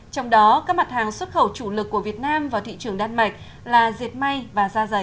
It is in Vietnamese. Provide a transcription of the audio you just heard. trong đó các mặt hàng xuất khẩu chủ lực của việt nam vào thị trường đan mạch là diệt may và da dày